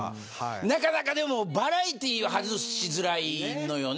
なかなかでも、バラエティーは外しづらいのよね。